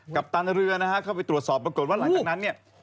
ปตันเรือนะฮะเข้าไปตรวจสอบปรากฏว่าหลังจากนั้นเนี่ย